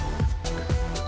ayo kita jalan dulu